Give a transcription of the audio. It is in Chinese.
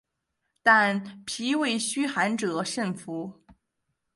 但脾胃虚寒者慎服。